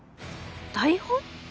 台本！？